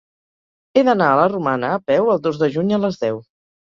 He d'anar a la Romana a peu el dos de juny a les deu.